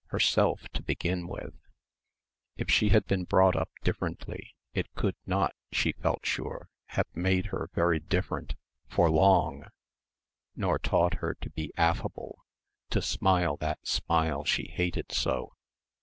Herself to begin with. If she had been brought up differently, it could not, she felt sure, have made her very different for long nor taught her to be affable to smile that smile she hated so.